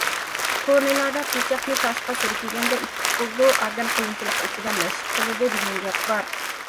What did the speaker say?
كونىلاردا پىچاقنى تاشقا سۈركىگەندە ئىتتىك بولىدۇ، ئادەم قىيىنچىلىق ئىچىدە مەشىق قىلىدۇ، دېگەن گەپ بار.